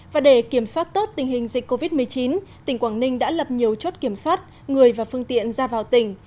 và để kiểm soát tốt tình hình dịch covid một mươi chín tỉnh quảng ninh đã lập nhiều chốt kiểm soát người và phương tiện ra vào tỉnh